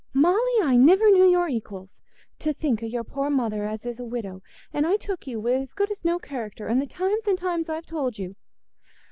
"Molly, I niver knew your equils—to think o' your poor mother as is a widow, an' I took you wi' as good as no character, an' the times an' times I've told you...."